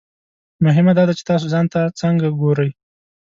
مهمه دا ده چې تاسو ځان ته څنګه ګورئ.